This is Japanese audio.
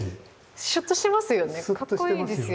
シュッとしてますよね。